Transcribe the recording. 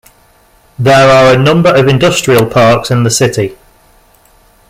There are a number of industrial parks in the city.